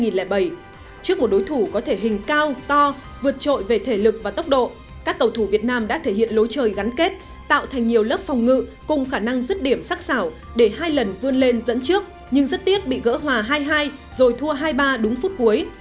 trước một đối thủ có thể hình cao to vượt trội về thể lực và tốc độ các cầu thủ việt nam đã thể hiện lối chơi gắn kết tạo thành nhiều lớp phòng ngự cùng khả năng dứt điểm sắc xảo để hai lần vươn lên dẫn trước nhưng rất tiếc bị gỡ hòa hai rồi thua hai ba đúng phút cuối